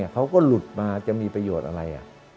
เขาก็หลุดมาจะมีประโยชน์อะไร